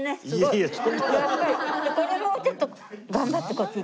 これもうちょっと頑張ってこっち。